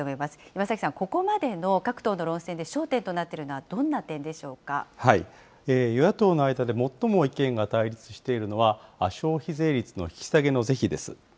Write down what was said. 山崎さん、ここまでの各党の論戦で焦点となっているのは、どんな与野党の間で最も意見が対立しているのは、消費税率の引き下げの是非です。